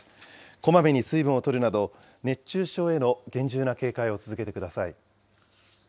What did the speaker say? こまめに水分をとるなど、熱中症への厳重な警戒を続けてください。